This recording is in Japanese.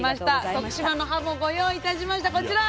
徳島のはもご用意いたしましたこちら。